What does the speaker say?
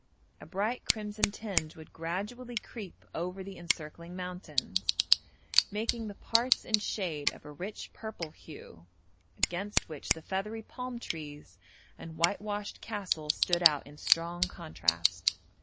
A bright crimson tinge would gradually creep over the encircling mountains, making the parts in shade of a rich purple hue, against which the feathery palm trees and whitewashed castles stood out in strong contrast.